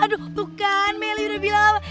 aduh tuh kan meli udah bilang apa